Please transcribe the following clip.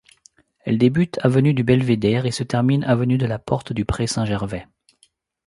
Elle débute avenue du Belvédère et se termine avenue de la Porte-du-Pré-Saint-Gervais.